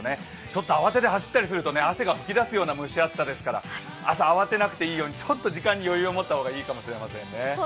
ちょっと慌てて走ったりすると汗が噴き出すような蒸し暑さですから朝、慌てなくていいように、ちょっと時間に余裕を持った方がいいかもしれないですね。